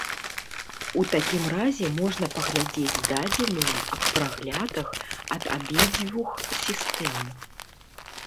У такім разе можна паглядзець дадзеныя аб праглядах ад абедзвюх сістэм.